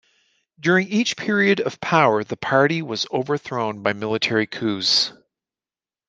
During each period of power the party was overthrown by military coups.